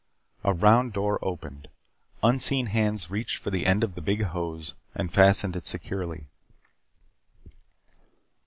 A round door opened. Unseen hands reached the end of the big hose and fastened it securely.